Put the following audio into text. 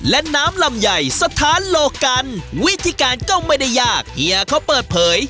และน้ำลำใหญ่สถานโลกันวิธีการก็ไม่ได้ยากเฮียเขาเปิดเผย